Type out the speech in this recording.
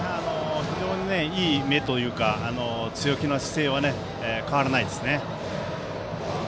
いい目というか強気の姿勢は変わらないですね。